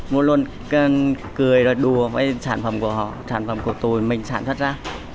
muốn luôn cười đùa với sản phẩm của họ sản phẩm của tụi mình sản xuất ra